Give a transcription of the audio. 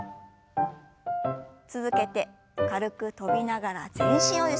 続けて軽く跳びながら全身をゆすります。